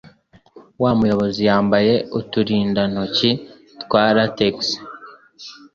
Wa muyobizi yambaye uturindantoki twa latex.